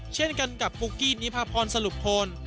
เช่นกันกับปุ๊กกี้นิพาพรสรุปพล